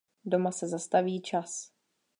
Doma se zastaví čas.